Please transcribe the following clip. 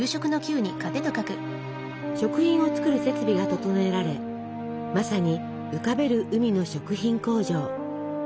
食品を作る設備が整えられまさに「浮かべる海の食品工場」。